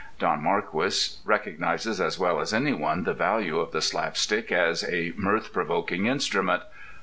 Don Marquis recognizes as well as any one the value of the slapstick as a mirth provoking instrument.